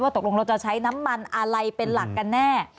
ตกลงเราจะใช้น้ำมันอะไรเป็นหลักกันแน่